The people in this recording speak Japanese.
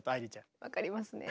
分かりますね。